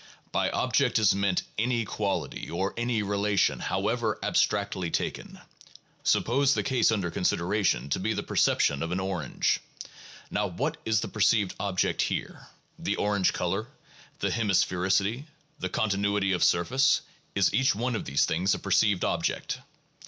By object is meant any quality or any relation, however abstractly taken. Suppose the case under consideration to be the perception of an orange. Now what is the perceived object here? The orange color, the hemisphericity, the continuity of surface — is each one of these things a perceived object?